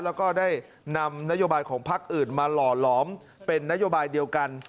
แล้วก็ได้นำนโยบายของพักอื่นมาหล่อหลอมเป็นนโยบายเดียวกัน